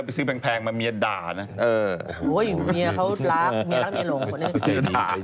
โอ๊ยเมียเขารักเมียรักเมียหลง